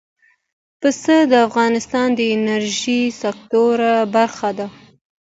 پسه د افغانستان د انرژۍ سکتور برخه ده.